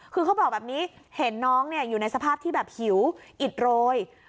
คือเขาบอกแบบนี้เห็นน้องอยู่ในสภาพที่แบบหิวอิดโรย